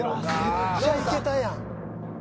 めっちゃいけたやん。